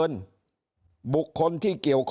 ถ้าท่านผู้ชมติดตามข่าวสาร